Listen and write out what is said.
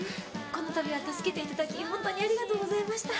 この度は助けて頂き本当にありがとうございました。